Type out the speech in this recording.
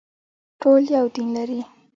ټول یو دین لري